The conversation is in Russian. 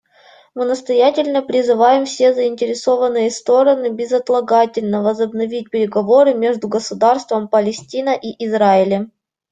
Мы настоятельно призываем все заинтересованные стороны безотлагательно возобновить переговоры между Государством Палестина и Израилем.